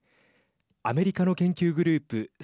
アメリカの研究グループ３８